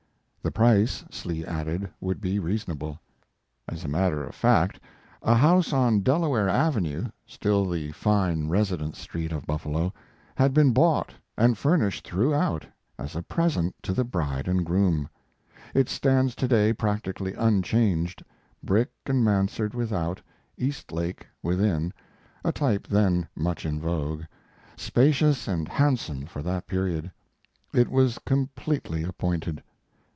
The price, Slee added, would be reasonable. As a matter of fact a house on Delaware Avenue still the fine residence street of Buffalo had been bought and furnished throughout as a present to the bride and groom. It stands to day practically unchanged brick and mansard without, Eastlake within, a type then much in vogue spacious and handsome for that period. It was completely appointed.